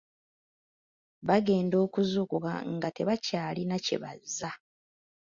Bagenda okuzuukuka nga tebakyalina kye bazza.